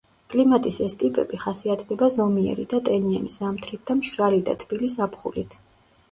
კლიმატის ეს ტიპები ხასიათდება ზომიერი და ტენიანი ზამთრით და მშრალი და თბილი ზაფხულით.